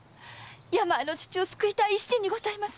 病の父を救いたい一心にございます！